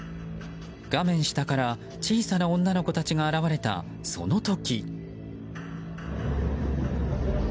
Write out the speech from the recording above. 画面下から小さな女の子たちが現れたその時。